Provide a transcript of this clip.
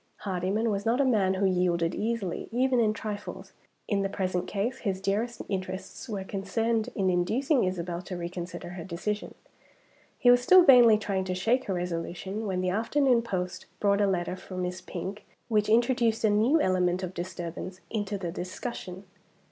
Hardyman was not a man who yielded easily, even in trifles. In the present case, his dearest interests were concerned in inducing Isabel to reconsider her decision. He was still vainly trying to shake her resolution, when the afternoon post brought a letter for Miss Pink which introduced a new element of disturbance into the discussion.